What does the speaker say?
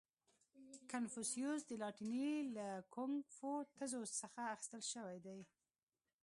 • کنفوسیوس د لاتیني له کونګ فو تزو څخه اخیستل شوی دی.